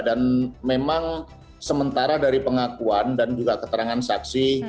dan memang sementara dari pengakuan dan juga keterangan saksi